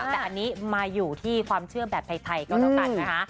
แต่อันนี้มาอยู่ที่ความเชื่อแบบไทยก็แล้วกันนะคะ